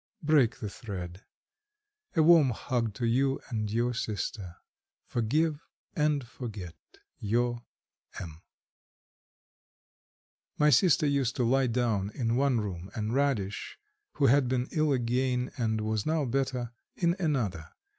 Break the thread. A warm hug to you and your sister. Forgive and forget your M." My sister used to lie down in one room, and Radish, who had been ill again and was now better, in another.